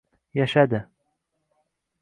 Yashadi.